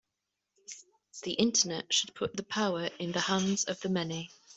The Internet should put the power in the hands of the many.